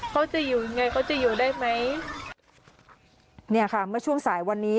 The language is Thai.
เขาจะอยู่ยังไงเขาจะอยู่ได้ไหมเนี่ยค่ะเมื่อช่วงสายวันนี้